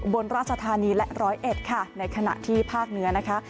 บนราชธานีและร้อยเอ็ดค่ะในขณะที่ภาคเหนือนะคะ